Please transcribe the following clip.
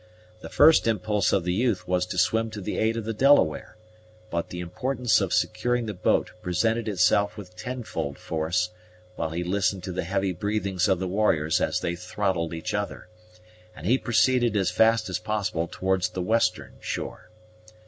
The first impulse of the youth was to swim to the aid of the Delaware, but the importance of securing the boat presented itself with tenfold force, while he listened to the heavy breathings of the warriors as they throttled each other, and he proceeded as fast as possible towards the western shore.